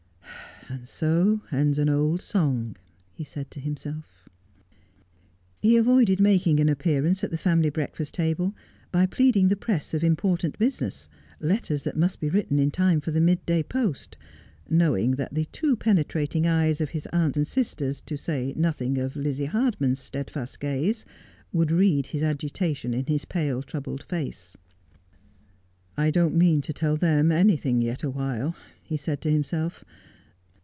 ' So ends an old song,' he said to himself. He avoided making an appearance at the family breakfast table by pleading the press of important business, letters that must be written in time for the mid day post ; knowing that the too penetrating eyes of his aunt and sisters, to say nothing of Lizzie Hardman's steadfast gaze, would read his agitation in his pale, troubled face. ' I don't mean to tell them anything yet awhile,' he said to himself.